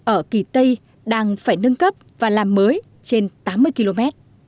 ở kỳ tây đang phải nâng cấp và làm mới trên tám mươi km